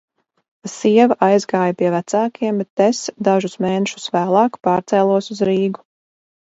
Sieva aizgāja pie vecākiem, bet es dažus mēnešus vēlāk pārcēlos uz Rīgu.